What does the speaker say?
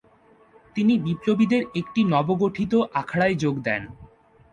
তিনি বিপ্লবীদের একটি নবগঠিত আখড়ায় যোগ দেন।